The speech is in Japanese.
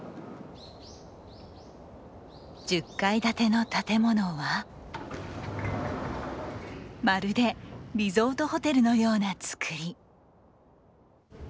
１０階建ての建物はまるでリゾートホテルのような造り。